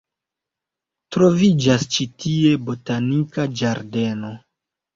Troviĝas ĉi tie botanika ĝardeno.